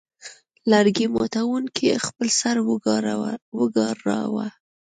لرګي ماتوونکي خپل سر وګراوه.